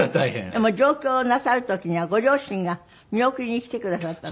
でも上京なさる時にはご両親が見送りに来てくださったんですって？